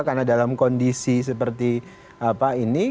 karena dalam kondisi seperti ini